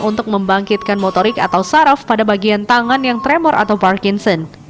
untuk membangkitkan motorik atau saraf pada bagian tangan yang tremor atau parkinson